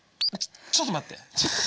ちょっと待って。